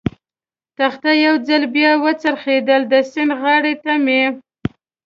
تخته یو ځل بیا و څرخېدل، د سیند غاړې ته مې.